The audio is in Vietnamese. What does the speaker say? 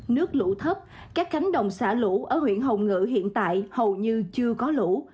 nước lũ thấp các cánh đồng xả lũ ở huyện hồng ngự hiện tại hầu như chưa có lũ